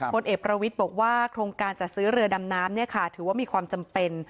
พลเอกประวิทย์บอกว่าโครงการจัดซื้อเรือดำน้ำถือว่ามีความจำเป็น